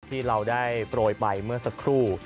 ที่เราได้โปรยไปเมื่อสักครู่